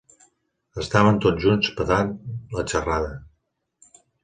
Estaven tots junts petant la xerrada.